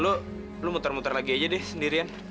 lu lo muter muter lagi aja deh sendirian